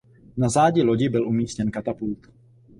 Na zádi lodi byl umístěn katapult.